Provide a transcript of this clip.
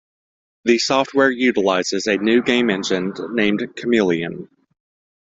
The software utilizes a new game engine named Chameleon.